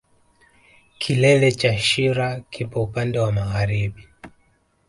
Kilele cha shira kipo upande wa magharibi